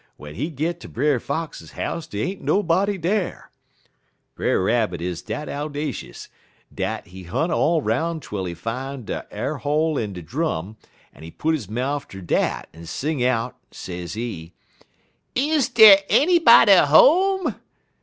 w'en he git ter Brer Fox house dey ain't nobody dar. Brer Rabbit is dat ow dacious, dat he hunt all 'roun' twel he fine de a'r hole en de drum, en he put his mouf ter dat en sing out, sezee: "'Is dey anybody home?'